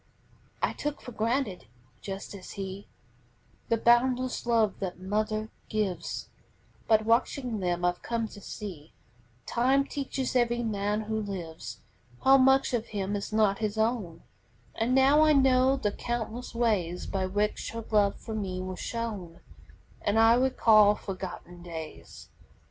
] I took for granted, just as he, The boundless love that mother gives, But watching them I've come to see Time teaches every man who lives How much of him is not his own; And now I know the countless ways By which her love for me was shown, And I recall forgotten days.